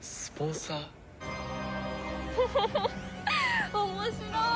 フフフッ面白い！